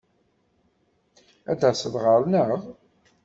Ad d-taseḍ ɣer-neɣ?